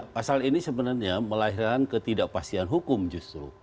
pasal ini sebenarnya melahirkan ketidakpastian hukum justru